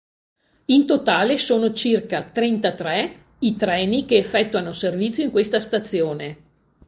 In totale sono circa trentatré i treni che effettuano servizio in questa stazione.